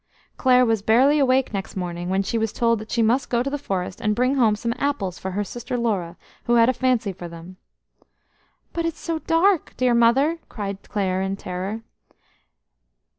Clare was barely awake next morning when she was told that she must go to the forest and bring home some apples for her sister Laura, who had a fancy for them. "But it's so dark, dear Mother," cried Clare in terror.